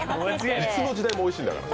いつの時代もおいしいんだから。